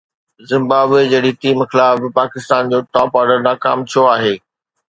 Zimbabwe جهڙي team خلاف به پاڪستان جو ٽاپ آرڊر ناڪام ڇو آهي؟